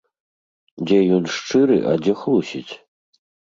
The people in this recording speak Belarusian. Дзе ён шчыры, а дзе хлусіць?